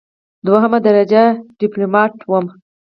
دوهمه درجه ډیپلوماټ وم.